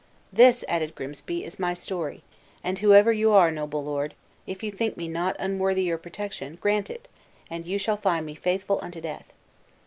"This," added Grimsby, "is my story; and whoever you are, noble lord, if you think me not unworthy your protection, grant it, and you shall find me faithful unto death."